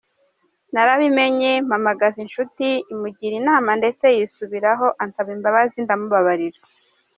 Narabimenye, mpamagaza inshuti imugira inama ndetse yisubiraho ansaba imbabazi ndamubabarira.